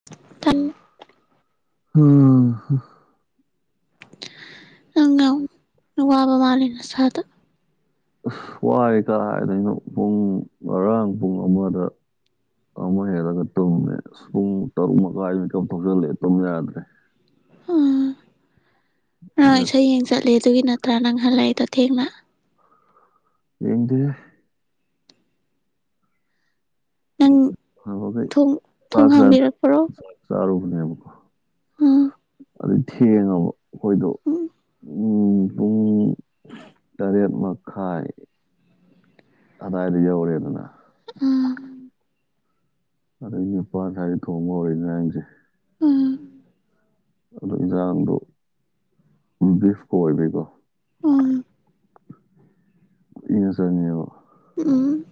[inaudible] ꯎꯝ ꯑꯪꯉ ꯌꯥꯝ ꯑꯋꯥꯕ ꯃꯥꯜꯂꯤ ꯅꯁꯥꯗꫭ ꯑꯁ ꯋꯥꯏ ꯀꯔꯥꯏꯗꯩꯅꫭ ꯄꯨꯡ ꯉꯔꯥꯡ ꯄꯨꯡ ꯑꯃꯗ ꯑꯃ ꯍꯦꯜꯂꯒ ꯇꯨꯝꯃꯦ ꯄꯨꯡ ꯇꯔꯨꯛ ꯃꯈꯥꯏ ꯃꯦꯀꯞ ꯊꯣꯛꯆꯜꯂꯛꯑꯦ ꯇꯨꯝ ꯌꯥꯗ꯭ꯔꯦ ꯑꯥ ꯉꯔꯥꯡ ꯏꯁꯩ ꯌꯦꯡ ꯆꯠꯂꯦ ꯑꯗꯨꯒꯤ ꯅꯠꯇ꯭ꯔꯥ ꯅꯪꯍꯜꯂꯛꯑꯦꯗꯣ ꯊꯦꯡꯅ ꯌꯦꯡꯗꯦꯍꯦ ꯅꯪ [unintelligible] ꯊꯣꯡ ꯊꯣꯡ ꯆꯥꯛ ꯆꯥꯖꯦꯅ ꯍꯥꯡꯕꯤꯔꯛꯄ꯭ꯔꯣ ꯆꯥꯛ ꯆꯔꯨꯕꯅꯦꯕꯀꯥ ꯎꯝ ꯑꯗꯩ ꯊꯦꯡꯉꯕ ꯑꯩꯈꯣꯏꯗꯣ ꯎꯝ ꯄꯨꯡ ꯇꯔꯦꯠ ꯃꯈꯥꯏ ꯑꯗꯥꯏꯗ ꯌꯧꯔꯦꯗꯅ ꯎꯝ ꯑꯗꯩ ꯅꯤꯄꯥꯟ ꯁ꯭ꯋꯥꯏꯗꯩ ꯊꯣꯡꯕ ꯍꯧꯔꯛꯅꯦ ꯏꯟꯖꯥꯡꯁꯦ ꯎꯝ ꯑꯗꯨ ꯏꯟꯖꯥꯡꯗꯣ ꯕꯤꯐꯀ ꯑꯣꯏꯕꯩꯀꯣ ꯑꯣ ꯀꯨꯏꯅ ꯆꯪꯉꯦꯕ ꯎꯝ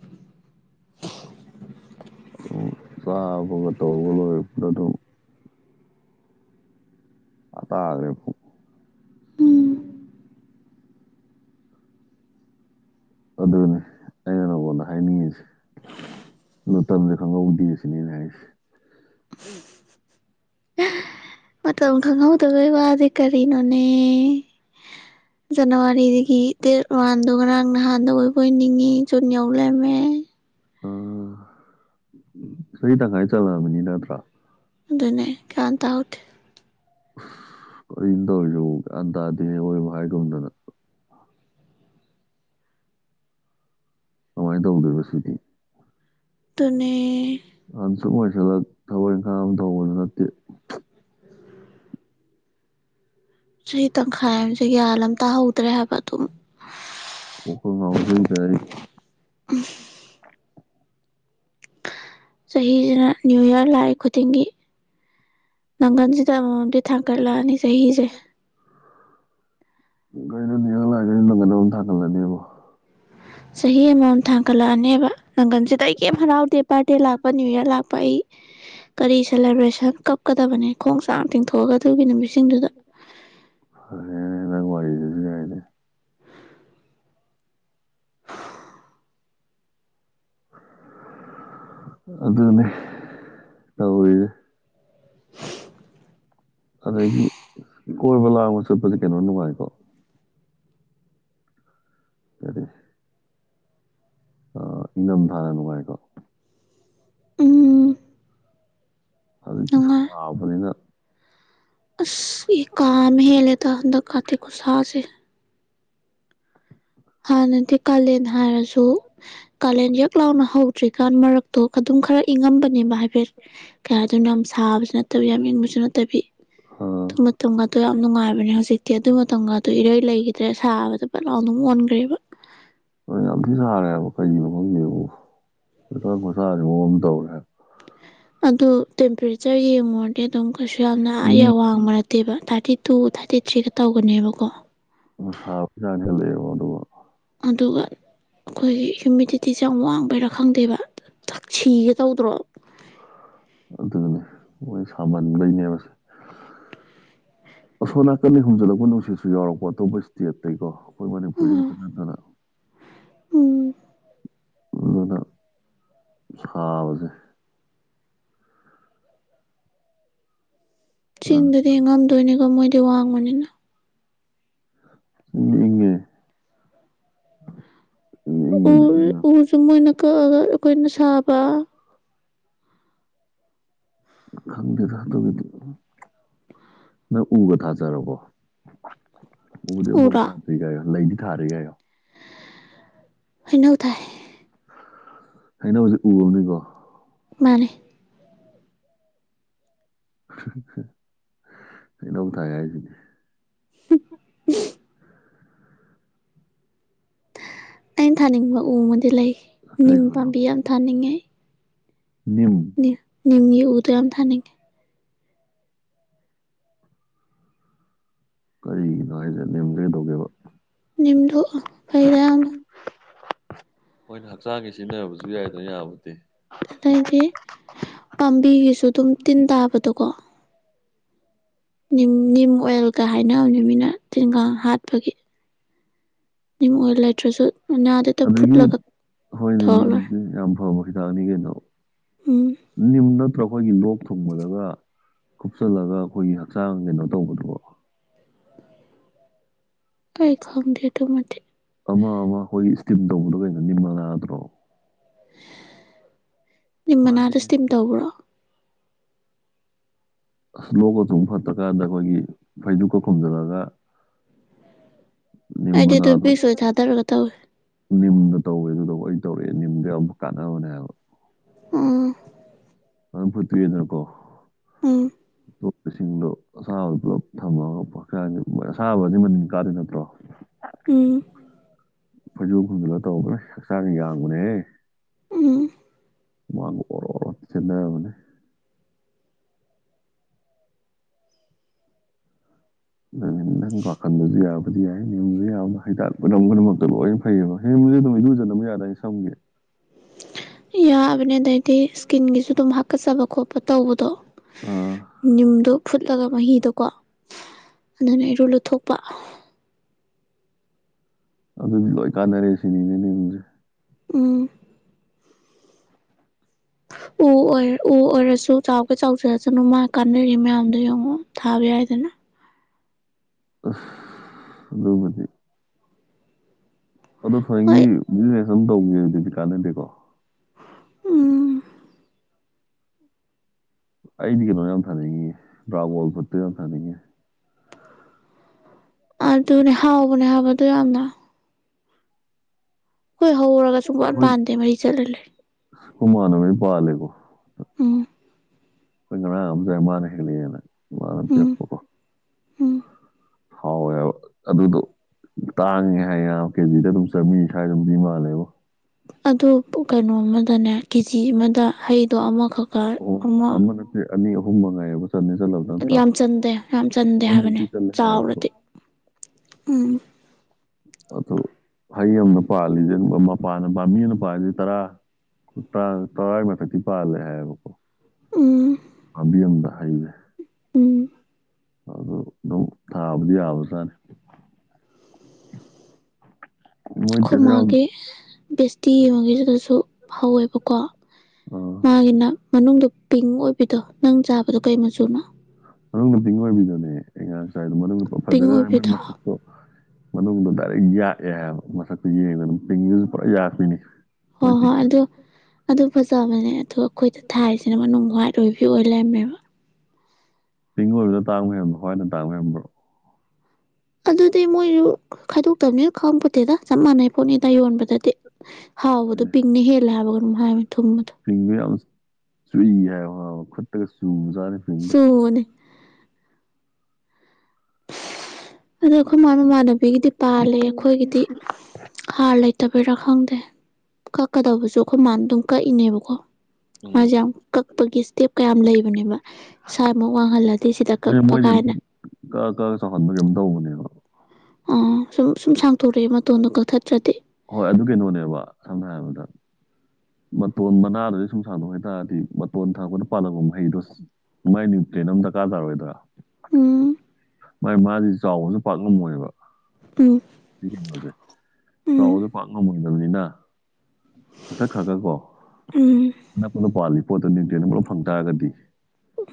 ꯆꯥꯕꯒ ꯇꯧꯕ ꯂꯣꯏꯔꯛꯄꯗ ꯑꯗꯨꯝ ꯑꯥ ꯇꯥꯒ꯭ꯔꯦ ꯄꯨꯡ ꯎꯝ ꯑꯗꯨꯅꯤ ꯑꯩꯅ ꯅꯉꯣꯟꯗ ꯍꯥꯏꯅꯤꯡꯉꯤꯁꯤ ꯃꯇꯝꯖꯦ ꯈꯪꯍꯧꯗꯦ ꯁꯤꯅꯤ ꯑꯩꯅ ꯍꯥꯏꯁꯦ ꯃꯇꯝ ꯈꯪꯍꯧꯗꯕꯩ ꯋꯥꯗꯤ ꯀꯔꯤꯅꯣꯅꯦ ꯖꯅꯋꯥꯔꯤꯗꯒꯤ ꯗꯦꯠ ꯋꯥꯟꯗꯣ ꯉꯔꯥꯡ ꯅꯍꯥꯟꯗ ꯑꯣꯏꯕꯣꯏ ꯅꯤꯡꯉꯤ ꯖꯨꯟ ꯌꯧꯂꯦꯝꯃꯦ ꯎꯝ ꯆꯍꯤ ꯇꯪꯈꯥꯏ ꯆꯠꯂꯛꯑꯕꯅꯤ ꯅꯠꯇ꯭ꯔꯥ ꯑꯗꯨꯅꯦ ꯒ꯭ꯌꯥꯟ ꯇꯥꯍꯧꯗꯦ ꯑꯁ ꯀꯔꯤꯅꯣ ꯇꯧꯔꯤꯖꯤꯕꯨ ꯒ꯭ꯌꯥꯟ ꯇꯥꯗꯦꯍꯦ ꯑꯋꯣꯏꯕꯣ ꯍꯥꯏꯒꯨꯝꯗꯅ ꯀꯃꯥꯏꯟ ꯇꯧꯗꯣꯏꯕ ꯁꯤꯗꯤ ꯗꯨꯅꯦ ꯑꯍꯟ ꯁꯨꯝ ꯑꯣꯏꯁꯜꯂꯛ ꯊꯕꯛ ꯏꯪꯈꯥꯡ ꯑꯃ ꯇꯧꯍꯧꯕꯖꯨ ꯅꯠꯇꯦ ꯆꯍꯤ ꯇꯪꯈꯥꯏ ꯑꯝꯖꯦ ꯒ꯭ꯌꯥꯟ ꯑꯝ ꯇꯥꯍꯧꯗ꯭ꯔꯦ ꯍꯥꯏꯕ ꯑꯗꯨꯝ ꯀꯣꯛꯀꯥ ꯉꯥꯎꯖꯩꯗ ꯑꯩ ꯆꯍꯤꯖꯤꯅ ꯅ꯭ꯌꯨ ꯏꯌꯔ ꯂꯥꯛꯏ ꯈꯨꯗꯤꯡꯒꯤ ꯅꯪꯒꯟꯖꯤꯗ ꯑꯃꯃꯝꯗꯤ ꯊꯥꯡꯒꯠꯂꯛꯑꯅꯤ ꯆꯍꯤꯖꯦ ꯀꯩꯅꯣ ꯅ꯭ꯌꯨ ꯏꯌꯔ ꯂꯥꯛꯏꯒꯩꯗꯤ ꯅꯪꯒꯟꯗ ꯑꯗꯨꯝ ꯊꯥꯒꯠꯂꯅꯦꯕꯣ ꯆꯍꯤ ꯑꯃꯃꯝ ꯊꯥꯡꯀꯠꯂꯛꯑꯅꯦꯕ ꯅꯪꯒꯟꯖꯤꯗ ꯑꯩ ꯀꯦꯝ ꯍꯔꯥꯎꯗꯦ ꯕꯥꯔꯗꯦ ꯂꯥꯛꯄ ꯅ꯭ꯌꯨ ꯏꯌꯔ ꯂꯥꯛꯄ ꯑꯩ ꯀꯔꯤ ꯁꯦꯂꯦꯕ꯭ꯔꯦꯁꯟ ꯀꯞꯀꯗꯕꯅꯤ ꯈꯣꯡ ꯁꯥꯡ ꯇꯤꯡꯊꯣꯛꯑꯒ ꯑꯗꯨꯒꯤ ꯅꯨꯃꯤꯠꯁꯤꯡꯗꯨꯗ ꯐꯔꯦꯅꯦ ꯅꯪ ꯋꯥꯔꯤꯗꯨꯖꯨ ꯌꯥꯏꯅꯦ ꯑꯗꯨꯅꯦ ꯇꯧꯔꯤꯖꯦ [unintelligible] ꯑꯗꯒꯤ ꯀꯣꯏꯕ ꯂꯥꯡꯕ ꯆꯠꯄꯖꯦ ꯀꯩꯅꯣ ꯅꯨꯡꯉꯥꯏꯀꯣ ꯀꯔꯤ ꯑ ꯏꯪꯗꯝꯊꯥꯅ ꯅꯨꯡꯉꯥꯏꯀꯣ ꯎꯝ ꯍꯧꯖꯤꯛꯇꯤ ꯅꯨꯡꯉꯥꯏ ꯁꯥꯕꯅꯤꯅ ꯑꯁ ꯏ ꯀꯥ ꯑꯃ ꯍꯦꯜꯂꯦꯗ ꯍꯟꯗꯛ ꯀꯥꯇꯤ ꯈꯨꯨꯁꯥꯁꯦ ꯍꯥꯟꯅꯗꯤ ꯀꯥꯂꯦꯟ ꯍꯥꯏꯔꯖꯨ ꯀꯥꯂꯦꯟ ꯌꯛ ꯂꯥꯎꯅ ꯍꯧꯗ꯭ꯔꯤꯀꯥꯟ ꯃꯔꯛꯇꯣ ꯑꯗꯨꯝ ꯈꯔ ꯏꯪꯉꯝꯕꯅꯦꯕ ꯍꯥꯏꯐꯦꯠ ꯀꯩ ꯍꯥꯏꯗꯣꯏꯅꯣ ꯌꯥꯝ ꯁꯥꯕꯁꯤꯅꯠ ꯇꯕꯤ ꯌꯥꯝ ꯏꯪꯕꯁꯨ ꯅꯠꯇꯕꯤ ꯑꯥ ꯑꯗꯨ ꯃꯇꯝꯒꯗꯣ ꯌꯥꯝ ꯅꯨꯡꯉꯥꯏꯕꯅꯦ ꯍꯧꯖꯤꯛꯇꯤ ꯑꯗꯨ ꯃꯇꯝꯒ ꯗꯣ ꯏꯔꯩ ꯂꯩꯒꯤꯗ꯭ꯔꯦ ꯁꯥꯕꯗ ꯄꯠꯂꯥꯎ ꯑꯗꯨꯝ ꯑꯣꯟꯒ꯭ꯔꯦꯕ ꯍꯣꯏ ꯌꯥꯝ ꯊꯤ ꯁꯥꯔꯦ ꯍꯥꯏꯕ ꯀꯩꯒꯤꯅꯣ ꯈꯪꯗꯦꯕꯨ ꯍꯧꯖꯤꯛꯀꯥꯟ ꯈꯨꯁꯥꯁꯦ ꯃꯑꯣꯡ ꯑꯝ ꯇꯧꯔꯦ ꯍꯥꯏꯕ ꯑꯗꯨ ꯇꯦꯝꯄꯔꯦꯆꯔ ꯌꯦꯡꯉꯨꯔꯗꯤ ꯑꯗꯨꯝ ꯀꯩꯁꯨ ꯌꯥꯝꯅ ꯑ ꯃꯤ ꯌꯥꯋꯥꯡ ꯋꯥꯡꯕ ꯅꯠꯇꯦꯕ ꯊꯥꯔꯇꯤ ꯇꯨ ꯊꯥꯔꯇꯤ ꯊ꯭ꯔꯤꯒ ꯇꯧꯒꯅꯦꯕꯀꯣ [unintelligible] ꯑꯗꯨꯒ ꯑꯗꯨꯒ ꯑꯈꯣꯏꯒꯤ ꯍ꯭ꯌꯨꯃꯤꯗꯤꯇꯤꯁꯦ ꯌꯥꯝ ꯋꯥꯡꯕꯩꯔꯥ ꯈꯪꯗꯦꯕ ꯊꯛꯁꯤꯒꯦ ꯇꯧꯗ꯭ꯔꯣ ꯑꯗꯨꯅꯤ ꯃꯣꯏ ꯁꯥꯃꯟꯕꯩꯅꯦꯕꯁꯦ [inaudible] ꯑꯁꯣ ꯅꯥꯀꯟꯗꯩ ꯍꯨꯝꯖꯤꯜꯂꯛꯄ ꯅꯨꯡꯁꯤꯠꯁꯨ ꯌꯥꯎꯔꯛꯄ ꯑꯇꯣꯞꯄ ꯁ꯭ꯇꯦꯠꯇꯩꯀꯣ ꯑꯈꯣꯏ ꯃꯅꯤꯄꯨꯔꯗꯩ ꯈꯛꯇ ꯅꯠꯇꯅ ꯎꯝ ꯑꯗꯨꯅ ꯁꯥꯕꯖꯦ ꯐꯖꯅ ꯆꯤꯡꯗꯗꯤ ꯏꯉꯝꯗꯣꯏꯅꯤꯀꯣ ꯃꯣꯏꯗꯤ ꯋꯥꯡꯕꯅꯤꯅ ꯆꯤꯡꯗ ꯏꯪꯉꯦ ꯏꯪ ꯏꯪꯕꯗꯒꯤ ꯎꯔ ꯑꯣꯏꯅ ꯎꯖꯨ ꯃꯣꯏꯅ ꯀꯛꯑꯒ ꯑꯩꯈꯣꯏꯅ ꯁꯥꯕ ꯈꯪꯗꯦꯗ [unintelligible] ꯅꯪ ꯎꯒ ꯊꯥꯖꯔꯕꯣ ꯎꯕꯨꯗꯤ ꯑꯐꯥꯎ ꯎꯔꯣ ꯊꯥꯗ꯭ꯔꯤ ꯀꯥꯏꯔꯣ ꯂꯩꯗꯤ ꯊꯥꯔꯤ ꯀꯥꯏꯔꯣ ꯍꯩꯅꯧ ꯊꯥꯏ ꯍꯩꯅꯧꯁꯦ ꯎꯨ ꯑꯝꯅꯤꯀꯣ ꯃꯥꯅꯦ ꯍꯩꯅꯧ ꯊꯥꯏ ꯍꯥꯏꯁꯤꯗꯤ ꯑꯩꯅ ꯊꯥꯅꯤꯡꯕ ꯎ ꯑꯃꯗꯤ ꯂꯩ ꯅꯤꯝ ꯀꯩꯅꯣ ꯄꯥꯝꯕꯤ ꯌꯥꯝ ꯊꯥꯅꯤꯡꯉꯦ ꯅꯤꯝ ꯅꯤꯝꯒꯤ ꯎꯗꯣ ꯌꯥꯝ ꯊꯥꯅꯤꯡꯉꯦ ꯀꯔꯤꯒꯤꯅꯣ ꯍꯥꯏꯁꯦ ꯅꯤꯝꯗꯣ ꯀꯩꯗꯧꯒꯦꯕ ꯅꯤꯝꯗꯣ ꯐꯩꯗ ꯌꯥꯝꯅ [unintelligible] ꯍꯣꯏꯅ ꯍꯛꯆꯥꯡꯒꯤ ꯁꯤꯖꯤꯟꯅꯕꯁꯨ ꯌꯥꯏꯗꯅ ꯌꯥꯕꯨꯗꯤ ꯑꯗꯩꯗꯤ ꯄꯥꯝꯕꯤꯒꯤꯁꯨ ꯑꯗꯨꯝ ꯇꯤꯟ ꯇꯥꯕꯗꯣꯀꯣ ꯅꯤꯝ ꯅꯤꯝ ꯑꯣꯏꯜꯒ ꯍꯥꯏꯅꯕꯅꯤ ꯃꯤꯅ ꯇꯤꯟ ꯀꯥꯡ ꯍꯥꯠꯄꯒꯤ ꯅꯤꯝ ꯑꯣꯏꯂꯩꯇ꯭ꯔꯁꯨ ꯎꯨꯅꯥꯗ ꯑꯗꯒꯤ ꯍꯣꯏꯅꯦ ꯅꯤꯝꯁꯦ ꯌꯥꯝ ꯐꯕ ꯍꯤꯗꯥꯛꯅꯤ ꯀꯩꯅꯣ ꯎꯨꯝ ꯅꯤꯝ ꯅꯠꯇ꯭ꯔ ꯑꯩꯈꯣꯏꯒꯤ ꯂꯣꯛ ꯊꯨꯡꯕꯗꯒ ꯀꯨꯞꯆꯜꯂꯒ ꯑꯩꯈꯣꯏꯒꯤ ꯍꯛꯆꯥꯡ ꯀꯩꯅꯣ ꯇꯧꯕꯗꯨꯕꯣ ꯑꯩ ꯈꯪꯗꯦ ꯑꯗꯨꯃꯥꯗꯤ ꯑꯃ ꯑꯃ ꯑꯩꯈꯣꯏ ꯏꯁꯇꯤꯝ ꯇꯧꯕꯗꯣ ꯀꯩꯅꯣ ꯅꯤꯝ ꯃꯅꯥꯗ꯭ꯔꯣ ꯅꯤꯝ ꯃꯥꯅꯦ ꯃꯅꯥꯗꯣ ꯁ꯭ꯇꯤꯝ ꯇꯧꯕ꯭ꯔꯣ ꯑꯁ ꯂꯣꯛꯀ ꯊꯨꯡ ꯐꯠꯇ꯭ꯔꯀꯥꯟꯗ ꯑꯩꯈꯣꯏꯒꯤ ꯐꯩꯖꯨꯞꯀ ꯈꯨꯝꯖꯤꯜꯂꯒ ꯅꯤꯝ ꯑꯩꯗꯤ ꯑꯗꯨꯝ ꯃꯅꯥꯗꯣ ꯕꯤꯁ ꯑꯣꯏ ꯊꯥꯗꯔꯒ ꯇꯧꯏ ꯅꯤꯝꯅ ꯇꯧꯋꯦ ꯑꯗꯨꯗꯕꯨ ꯑꯩ ꯇꯧꯔꯛꯑꯦ ꯅꯤꯝꯗꯣ ꯌꯥꯝ ꯀꯥꯟꯅꯕꯅꯦ ꯍꯥꯏꯕ ꯎꯨꯝ ꯑꯗꯨꯝ ꯐꯠꯇꯣꯛꯑꯦꯗꯅꯀꯣ ꯎꯨꯝ [unintelligible] ꯏꯁꯤꯡꯗꯣ ꯑꯁꯥꯕꯗꯨ ꯄꯨꯂꯞ ꯊꯝꯃꯒꯆ ꯑꯁꯥꯕꯗꯤ ꯃꯅꯤꯟ ꯀꯥꯗꯣꯏ ꯅꯠꯇ꯭ꯔꯣ ꯎꯨꯝ ꯐꯩꯖꯨꯞ ꯑꯝ ꯈꯨꯝꯖꯤꯜꯂ ꯇꯧꯕꯗꯣ ꯑꯁ ꯍꯛꯆꯥꯡ ꯌꯥꯡꯕꯅꯦꯍꯦ ꯎꯨꯝ ꯍꯨꯃꯥꯡꯒ ꯑꯣ ꯆꯦꯅꯕꯅꯦ ꯅꯪ ꯅꯪ ꯋꯥꯥꯈꯟꯗꯁꯨ ꯌꯥꯕꯨꯗꯤ ꯌꯥꯏ [unintelligible] ꯍꯩꯗꯥꯛ ꯄꯨꯝꯅꯃꯛꯇ ꯂꯣꯏꯅ [unintelligible] ꯁꯝꯒꯤ ꯌꯥꯕꯅꯦ ꯑꯗꯩꯗꯤ ꯏꯁꯀꯤꯟꯒꯤꯁꯨ ꯑꯗꯨꯝ ꯍꯥꯀꯠꯆꯕ ꯈꯣꯠꯄ ꯇꯧꯕꯗꯣ ꯑꯥ ꯅꯤꯝꯗꯣ ꯐꯨꯠꯂꯒ ꯃꯍꯤꯗꯣꯀꯣ ꯑꯗꯨꯅ ꯏꯔꯨ ꯂꯨꯊꯣꯛꯄ ꯑꯗꯨꯗꯤ ꯂꯣꯏ ꯀꯥꯟꯅꯔꯦ ꯁꯤꯅꯤꯅꯦ ꯅꯤꯝꯁꯦ ꯎꯨꯝ ꯎ ꯑꯣꯏ ꯎ ꯑꯣꯏꯔꯁꯨ ꯆꯥꯎꯒꯦ ꯆꯥꯎꯖꯔꯁꯅꯨ ꯃꯥ ꯀꯥꯟꯅꯔꯤ ꯃꯌꯥꯝꯗꯣ ꯌꯦꯡꯉꯣ ꯊꯥꯕ ꯌꯥꯏꯗꯅ ꯑꯥꯍ ꯑꯗꯨ [unintelligible] ꯍꯣꯏ [unintelligible] ꯀꯥꯟꯅꯗꯦꯀꯣ ꯎꯝ ꯑꯩꯗꯤ ꯀꯩꯅꯣ ꯌꯥꯝ ꯊꯥꯅꯤꯡꯉꯤ ꯗꯔꯥꯒꫭꯜ ꯐꯨꯠꯇꫭ ꯌꯥꯝ ꯊꯥꯅꯤꯡꯉꯤ ꯑꯗꯨꯅꯦ ꯍꯥꯎꯕꯅꯦ ꯍꯥꯏꯕ ꯑꯗꯨ ꯌꯥꯝꯅ ꯑꯈꫭꯏ ꯍꯧꯔꯒ ꯁꯨꯡꯄꯥꯟ ꯄꯥꯟꯗꯦ ꯃꯔꯤ ꯆꯠꯂꯥꯂꯩ ꯀꯨꯃꯥꯟꯅꯣ [unintelligible] ꯅꫭꯏ ꯄꯥꯂꯤꯕꫭ ꯎꯝ ꯀꯪꯝꯖ ꯃꯥꯥꯟ [unintelligible] ꯍꯅ [unintelligible] ꯎꯝ ꯎꯝ ꯍꯥꯎꯋ‌ꯦ ꯍꯥꯏꯕꯥ ꯑꯗꯨꯗꯣ ꯇꯥꯡꯉꯦ ꯍꯥꯏꯌꯦꯅ ꯀꯦꯖꯤꯗꯥ ꯑꯗꯨꯝ ꯆꯥꯝꯔꯤ ꯁ꯭ꯋꯥꯏꯗ ꯑꯗꯨꯝ ꯄꯤ ꯃꯥꯜꯂꯦꯕꫭ ꯑꯗꯨ ꯀꯩꯅꯣ ꯑꯃꯗꯅꯦ ꯀꯦꯖꯤ ꯑꯃꯥꯗ ꯍꯩꯗꯣ ꯑꯃꯈꯛꯀꯥ ꯑꯍꯨꯝ ꯑꯃꯥ ꯑꯃ ꯅꯠꯇꯦ ꯑꯅꯤ ꯑꯍꯨꯝ ꯃꯉꯥꯏꯑ‌ꯦꯕ ꯆꯠꯅꯤ ꯆꯠꯂꯕ ꯌꯥꯝ ꯆꯟꯗꯦ ꯌꯥꯝ ꯆꯟꯗꯦ ꯍꯥꯏꯕꯅꯤ ꯆꯜꯂꯦ ꯍꯥꯏꯌꯦꯕꯀꯣ ꯆꯥꯎꯔꯗꯤ ꯎꯝ ꯑꯗꯨ [unintelligible] ꯍꯩ ꯑꯃꯅꯥ ꯄꯥꯜꯂꯤꯁꯦ ꯃꯄꯥꯟꯅ ꯄꯥꯝꯕꯤꯃꯅ ꯄꯥꯜꯂꯤꯁꯦ ꯇꯔꯥ ꯇꯔꯥꯒꯤ ꯃꯊꯛꯇꯤ ꯄꯥꯜꯂꯦ ꯍꯥꯏꯌꯦꯕꯀꯣ ꯎꯝ ꯄꯥꯞꯕꯤꯝꯃꯗꯥ ꯍꯩꯖ‌ꯦ ꯎꯝ ꯑꯗꯨ ꯑꯗꯨꯝ ꯊꯥꯕꯗꯤ ꯌꯥꯕꯖꯥꯠꯅꯤ ꯃꯣꯏꯗꯤ ꯀꯩꯁꯨ ꯌꯥꯝ ꯑꯈꫭꯏꯃꯥꯒꯤ ꯕꯦꯁꯇꯤ ꯑꯃꯥꯒꯤꯗꯨꯗꯁꯨ ꯍꯧꯋꯦꯕꯀꯣ ꯎꯝ ꯃꯥꯒꯤꯅ ꯃꯅꯨꯡꯗ ꯄꯤꯡ ꯑꯣꯏꯕꯤꯗꯣ ꯅꯪ ꯆꯥꯕꯗꯣ ꯀꯩ ꯃꯆꯨꯅꯣ ꯃꯅꯨꯡꯗ ꯄꯤꯡ ꯑꯣꯏꯕꯤꯗꯨꯅꯦ ꯑꯩꯉꯔꯥꯡ ꯆꯥꯏꯗꯣ ꯃꯅꯨꯡꯗ ꯄꯤꯡ ꯐꯖꯒꯔꯥ ꯖꯥꯟꯅꯤ ꯃꫭꯏ ꯑꯣꯏꯕꯤꯗꯣ ꯃꯁꯛ ꯑꯗꯨ ꯃꯅꯨꯡꯗꯣ ꯗꯥꯏꯔꯦꯛ ꯌꯥꯛꯑꯦ ꯍꯥꯏꯕ ꯃꯁꯛꯇꯨ ꯌꯦꯡꯕꯗ ꯑꯗꯨꯝ ꯄꯤꯡꯗꯨꯁꯨ ꯄꯨꯔꯥ ꯌꯥꯛꯄꯤꯅꯤ ꯍꫭ ꯃꯣꯏ ꯍꯣ ꯄꯤꯡꯗꯣ ꯑꯗꯨ ꯑꯗꯨ ꯐꯖꯕꯅꯦ ꯑꯗꫭ ꯑꯩꯈꯣꯏꯗ ꯊꯥꯏꯁꯤꯅ ꯃꯅꯨꯡ ꯍꫭ꯭ꯋꯥꯏꯠ ꯑꯣꯏꯕꯤ ꯑꯣꯏ ꯂꯩꯔꯝꯃꯦꯕ ꯄꯤꯡ ꯑꯣꯏꯕꯗꯨꯗ ꯇꯥꯡꯕ ꯍ‌ꯦꯟꯕ꯭ꯔꫭ ꯍꯋꯥꯏꯅ ꯇꯥꯡꯕ ꯍ‌ꯦꯟꯕ꯭ꯔꯣ ꯑꯗꯨꯗꯤ ꯃꯣꯏꯁꯨ ꯈꯥꯏꯗꯣꯛꯇꯕꯅꯤꯅ ꯈꯪꯄꯠꯇꯦꯗ ꯆꯞ ꯃꯥꯟꯅꯩ ꯄꯣꯠꯅꯤꯗ ꯌꯣꯟꯕꯗꯗꯤ ꯍꯥꯎꯕꯗꯣ ꯍꯣꯏꯅꯦ ꯄꯤꯡꯅ ꯍꯦꯜꯂꯦ ꯍꯥꯏꯕ ꯀꯩꯅꫭꯝ ꯍꯥꯏꯅꯤ ꯊꯨꯝꯕꯗꯣ ꯄꯤꯡꯗꯨ ꯌꯥꯝ ꯆꯨꯏ ꯍꯥꯏꯕ ꯈꯨꯠꯇꯒ ꯆꯨꯕꯖꯥꯠꯅꯤꯗ ꯆꯨꯕꯅꯤ ꯑꯗꯨ ꯑꯩꯈꯣꯏ ꯃꯥꯏ ꯃꯃꯥꯟꯅꯕꯤꯒꯤꯗꯤ ꯄꯥꯜꯂꯦ ꯑꯩꯈꯣꯏꯒꯤꯗꯤ ꯍꯥꯔ ꯂꯩꯇꯕꯩꯔꯥ ꯈꯪꯗꯦ ꯀꯛꯀꯗꯕꯁꯨ ꯑꯩꯈꯣꯏ ꯃꯥꯅ ꯑꯗꯨꯝ ꯀꯛꯏꯅꯦꯕꯀꯣ ꯎꯝ ꯃꯥꯁꯦ ꯌꯥꯝ ꯀꯛꯄꯒꯤ ꯏꯁꯇꯦꯞ ꯀꯥ ꯌꯥꯝ ꯂꯩꯕꯅꯦꯕ ꯁꯥꯏꯃꯨꯛ ꯋꯥꯡꯍꯜꯂꯗꯤ ꯁꯤꯗ ꯀꯛꯄ ꯀꯥꯏꯅ ꯀꯛꯑꯥ ꯀꯛꯑꯥ ꯆꯥꯎꯧꯍꯟꯕ꯭ꯔꯥ ꯀꯩꯅꫭꯝ ꯇꯧꯕꯅꯦꯕ ꯑꯣ ꯁꯨꯝ ꯁꯨꯝ ꯁꯥꯡꯊꯣꯔꯛꯑꯦ ꯃꯇꯣꯟꯗꯣ ꯀꯛꯊꯠꯇ꯭ꯔꯥꯗꯤ ꯍꯣꯏ ꯑꯗꯨ ꯀꯩꯅꯣꯅꯦꯕ ꯁꯝꯅꯥ ꯍꯥꯏꯔꯕꯗ ꯃꯇꯣꯟ ꯃꯅꯥꯗꯨꯗꯩ ꯁꯨꯝ ꯁꯥꯎꯇꫭꯛꯈꯤ ꯇꯥꯔꯗꯤ ꯃꯇꯣꯟ ꯊꯪꯛꯄꯗꯥ ꯄꯥꯜꯍꯧꯕ ꯃꯍꯩꯗꯣ ꯃꯥꯏ ꯅꯤꯌꯨ꯭ꯟꯇꯔ‌ꯦꯟ ꯑꯝꯥ ꯗꯔꯀꯥ ꯇꯥꯔꯣꯏꯗꯔꯥ ꯎꯝ ꯃꯥꯏ ꯃꯥꯗꯤ ꯆꯥꯎꯕꯁꯨ ꯄꯥꯛ ꯉꯝꯃꯣꯏꯕ ꯎꯝ ꯍꯅꯖꯦ [unintelligible] ꯎꯝ ꯆꯥꯎꯕꯁꯨ ꯄꯥꯛ ꯉꯝꯃꯣꯏꯗꯕꯅꯤꯅ ꯀꯛꯊꯠ ꯈ꯭ꯔꯥꯒ ꯀꯣ ꯎꯝ ꯑꯅꯛꯄꯗꯥ ꯄꯥꯜꯂꯤ ꯄꯣꯠꯇꯣ ꯅꯤꯌꯨ꯭ꯇꯔ‌ꯦꯟ ꯄꯨꯂꯞ ꯐꯪ ꯇꯥꯔꯒꯗꯤ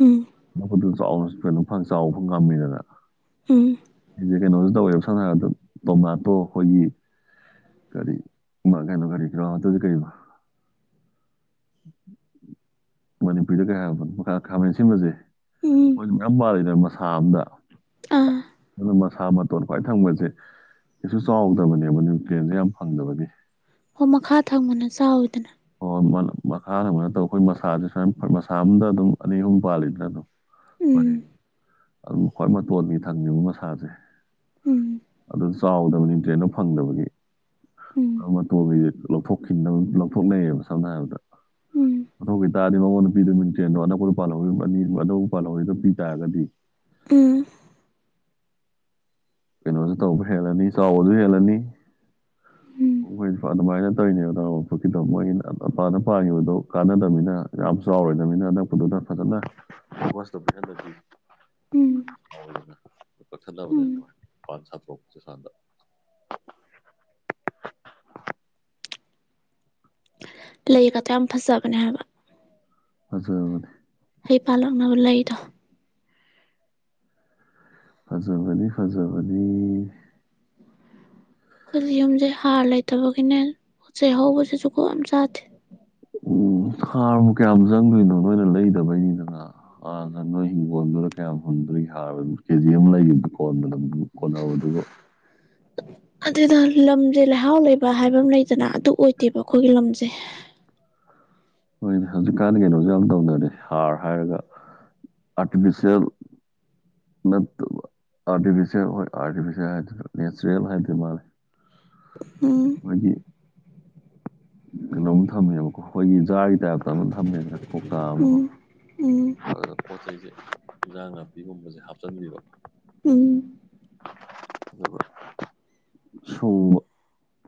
ꯎꯝ [unintelligible] ꯆꯥꯎꯅ ꯀꯩꯅꯣ ꯆꯥꯎꯕ ꯉꯝꯃꯤꯗꯅ ꯎꯝ ꯀꯩꯅꯣꯁꯨ ꯇꯧꯋꯦꯕ ꯁꯝꯅꯥ ꯍꯥꯏꯔꯕꯗ ꯇꯣꯃꯥꯇꯣ ꯑꯩꯈꯣꯏꯒꯤ ꯀꯔꯤ ꯃꯥ ꯀꯅꯣ ꯀꯔꯤ ꯀꯥꯎ ꯇꯗꯤ ꯀꯩꯕ ꯃꯅꯤꯄꯨꯔꯤꯗ ꯀꯩ ꯍꯥꯏꯕꯅꯣ ꯃꯈ ꯈꯥꯃꯦꯟ ꯑꯁꯤꯟꯕꯁꯦ ꯎꯝ ꯃꯣꯏꯁꯨ ꯃꯌꯥꯝ ꯄꯥꯜꯂꯤ ꯅ ꯃꯁꯥ ꯑꯝꯗ ꯑꯥ ꯑꯗꯨ ꯃꯁꯥ ꯃꯇꯣꯟ ꯈ꯭ꯋꯥꯏ ꯊꯪꯕꯁꯦ ꯀꯩꯁꯨ ꯆꯥꯎꯗꯕꯅꯦꯕ ꯅ꯭ꯌꯨꯇ꯭ꯔꯤꯌꯦꯟꯁꯦ ꯌꯥꯝ ꯐꯪꯗꯕꯒꯤ ꯑꯣ ꯃꯈꯥ ꯊꯪꯕꯅ ꯆꯥꯎꯋꯤꯗꯅ ꯍꯣꯏ ꯃꯠ ꯃꯈꯥ ꯊꯪꯕ ꯅꯇꯕ ꯑꯩꯈꯣꯏ ꯃꯁꯥꯁꯦ ꯁꯨꯏꯅ ꯃꯁꯥ ꯑꯝꯗ ꯑꯗꯨꯝ ꯑꯅꯤ ꯑꯍꯨꯝ ꯄꯥꯜꯂꯤꯗꯅ ꯑꯗꯨꯝ ꯎꯝ ꯑꯗꯨꯝ ꯈ꯭ꯋꯥꯏ ꯃꯇꯣꯟꯒꯤ ꯊꯪꯉꯤꯕ ꯃꯁꯥꯁꯦ ꯎꯝ ꯑꯗꯨ ꯆꯥꯎꯗꯕꯅꯤ ꯀꯩꯅ‌ꯣ ꯐꯪꯗꯕꯒꯤ ꯎꯝ ꯑꯥ ꯃꯇꯣꯟꯒꯤ ꯂꯧꯊꯣꯛꯈꯤꯅꯕ ꯊꯣꯛꯅꯩꯌꯦꯕ ꯁꯝꯅ ꯍꯥꯏꯔꯕꯗ ꯎꯝ ꯃꯊꯧ ꯈꯤꯇꯥꯔꯗꯤ ꯃꯃꯧ ꯅꯨꯄꯤꯗꯨ ꯃꯤꯡ ꯆꯦꯟꯗꯣ ꯑꯅꯛꯄꯗ ꯄꯜꯍꯧ ꯑꯅꯤ ꯑꯅꯧꯕ ꯄꯥꯜꯍꯧꯋꯤꯗ‌ꯣ ꯄꯤ ꯇꯥꯔꯒꯗꯤ ꯎꯝ ꯀꯩꯅꯣꯖꯨ ꯇꯧꯕ ꯍꯦꯜꯂꯅꯤ ꯆꯥꯎꯕꯁꯨ ꯍꯦꯜꯂꯅꯤ ꯎꯝ ꯃꯣꯏꯁꯨ ꯑꯗꯨꯃꯥꯏꯅ ꯇꯧꯋꯤꯅꯦꯕ [unintelligible] ꯀꯤꯗꯣ ꯃꯣꯏꯒꯤ ꯑ ꯑꯄꯥꯗ ꯄꯥꯟꯈꯤꯕꯗꯣ ꯀꯥꯟꯅꯗꯕꯅꯤꯅ ꯌꯥꯝ ꯆꯥꯎꯔꯣꯏꯗꯅꯤꯅ ꯑꯅꯛꯄꯗꯨꯗ ꯐꯖꯅ ꯐꯣꯀꯁꯇ‌ꯣ ꯄꯤꯍꯜꯂꯗꯤ ꯎꯝ [unintelligible] ꯎꯝ ꯀꯛꯊꯠꯅꯕꯅꯤꯅꯀ‌ꯣ [unintelligible] ꯁꯥꯟꯗ ꯂꯩꯒꯗꯣ ꯌꯥꯝ ꯐꯖꯕꯅꯦ ꯍꯥꯏꯕ [unintelligible] ꯑꯗꯨꯖ ꯍꯩ ꯄꯥꯜꯂꯛꯅꯕ ꯂꯩꯗꯣ ꯐꯖꯕꯅꯤ ꯐꯖꯕꯅꯤ ꯑꯩꯈꯣꯏꯁꯤ ꯌꯨꯝꯁꯦ ꯍꯥꯔ ꯂꯩꯇꯕꯒꯤꯅꯦ ꯄꯣꯠ ꯆꯩ ꯍꯧꯕꯁꯤ ꯖꯨꯒ‌ꯣꯠ ꯑꯝ ꯆꯥꯗꯦ ꯎꯝ ꯍꯥꯔꯕꯨ ꯀꯌꯥꯝ ꯆꯪꯗꯣꯏꯅꯣ ꯅꯣꯏꯅ ꯂꯩꯗꯕꯩꯅꯤꯗꯅ ꯑꯥꯗ ꯅꯣꯏ ꯍꯤꯡꯒꯣꯟꯗꯨꯗ ꯀꯌꯥꯝ ꯍꯨꯟꯗꯨꯏꯒ‌ꯦ ꯍꯥꯔ ꯀꯦꯖꯤ ꯑꯃ ꯂꯩꯒꯤꯝꯗꯥ ꯀꯣꯟꯅ [unintelligible] ꯀꯣꯟꯅ [unintelligible] ꯑꯗꯨꯗ ꯂꯝꯁꯦ ꯂꯩꯍꯥꯎ ꯂꯩꯕ ꯍꯥꯏꯕ ꯑꯃ ꯂꯩꯗꯅ ꯑꯗꯨ ꯑꯣꯏꯗꯦꯕ ꯑꯩꯈꯣꯏꯒꯤ ꯂꯝꯁ ꯍꯣꯏꯅꯦ ꯍꯧꯖꯤꯛꯀꯥꯟꯗꯤ ꯀꯩꯅꯣꯁꯨ ꯌꯥꯝ ꯇꯧꯅꯔꯦ ꯍꯥꯔ ꯍꯥꯏꯔꯒ ꯑꯥꯔꯇꯤꯐꯤꯁꯦꯜ ꯅꯠꯇꯕ ꯑꯥꯔꯇꯤꯐꯤꯁꯦꯜ ꯍ‌ꯣꯏ ꯑꯥꯔꯤꯐꯦꯜ ꯍꯥꯏꯗꯨꯏꯔ ꯅꯦꯆꯔꯦꯜ ꯍꯥꯏꯗꯨꯏ ꯃꯥꯜꯂ‌ꯦ ꯎꯝ [unintelligible] ꯀꯩꯅꯣꯝ ꯊꯝꯃꯦꯕꯀꯣ ꯑꯩꯈꯣꯏꯒꯤ ꯖꯥꯔꯒꯤ ꯇꯥꯏꯞꯇ ꯑꯃ ꯊꯝꯃꯦꯗꯅ ꯀꯧꯇꯥ ꯑꯃ ꯀ‌ꯣ ꯎꯝ ꯑꯗ ꯄꯣꯠ ꯆꯩꯁꯦ ꯏꯟꯖꯥꯡ ꯅꯥꯄꯤꯒꯨꯝꯕꯁꯦ ꯍꯥꯞꯆꯤꯟꯕꯤꯕ ꯎꯝ ꯑꯗꯨꯒ ꯁꯨꯡꯕ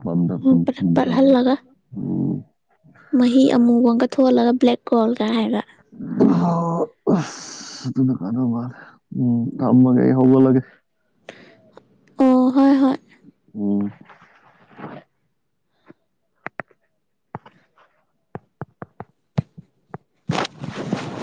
ꯄꯟꯗꯥ ꯎꯝ ꯄꯨꯟꯗ ꯄꯠꯍꯜꯂꯒ [unintelligible] ꯃꯍꯤ ꯑꯃꯨꯕ ꯑꯝꯒ ꯊꯣꯛꯍꯜꯂꯒ ꯕ꯭ꯂꯦꯛ ꯒꯣꯜꯒ ꯍꯥꯏꯔ [unintelligible] ꯑꯁ ꯑꯗꯨꯅ ꯃꯥꯜꯂ‌ꯦ ꯎꯝ ꯊꯝꯃꯒ‌ꯦ ꯑꯩ ꯍꯧꯒꯠꯂꯒꯦ ꯑꯣ ꯍꯣꯏ ꯍꯣꯏ ꯎꯝ [unintelligible]